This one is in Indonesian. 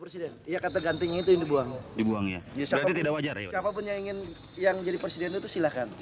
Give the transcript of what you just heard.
siapapun yang ingin jadi presiden itu silakan